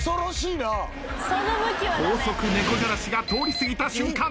高速猫じゃらしが通り過ぎた瞬間